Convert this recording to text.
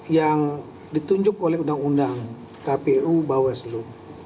yang ditunjuk oleh undang undang kpu bawaslu